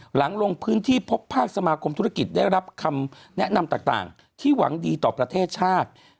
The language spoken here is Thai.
หลังลงพื้นที่พบภาคสมาคมธุรกิจได้รับคำแนะนำต่างที่หวังดีต่อประเทศชาติ